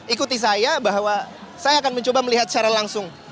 ikuti saya bahwa saya akan mencoba melihat secara langsung